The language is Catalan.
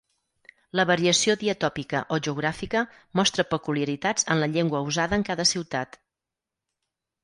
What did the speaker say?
La variació diatòpica o geogràfica mostra peculiaritats en la llengua usada en cada ciutat.